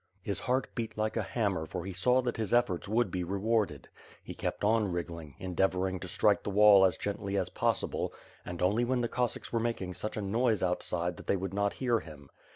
His heart beat like a hammer for he saw that his efforts would be rewarded. He kejyt on wriggling, endeavoring to strike the wall as geotly as possible; and, only when the Cos sacks were making such a noise outside that they would not hear him.